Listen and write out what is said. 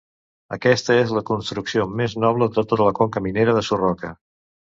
Aquesta és la construcció més noble de tota la Conca Minera de Surroca.